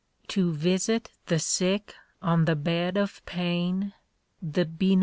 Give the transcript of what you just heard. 53 To visit the sick on the bed of pain. The bcni.